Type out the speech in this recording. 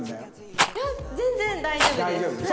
いや全然大丈夫です。